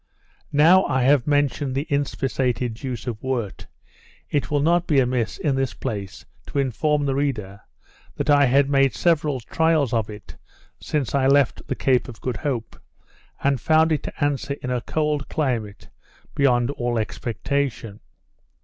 Now I have mentioned the inspissated juice of wort, it will not be amiss, in this place, to inform the reader, that I had made several trials of it since I left the Cape of Good Hope, and found it to answer in a cold climate, beyond all expectation.